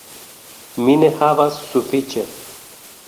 Mi ne havas sufiĉe.